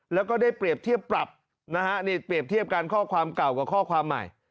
แล้วก็ได้เปรียบเทียบปรับนะฮะนี่เปรียบเทียบกันข้อความเก่ากับข้อความใหม่